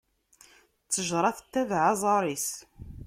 Ttejṛa tettabeɛ aẓar-is.